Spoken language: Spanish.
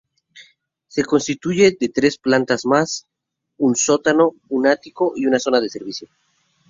Se constituye de tres plantas más un sótano, un ático y zona de servicio.